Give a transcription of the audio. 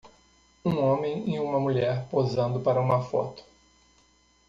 um homem e uma mulher posando para uma foto